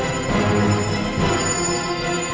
ampunilah ya allah